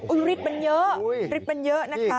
อุ๊ยร็ีดประมาณเยอะร็ีดประมาณเยอะนะฮะ